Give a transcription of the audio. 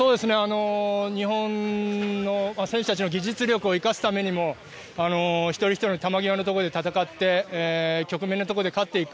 日本の選手たちの技術力を生かすためにも一人ひとり球際のところで戦って局面のところで勝っていく。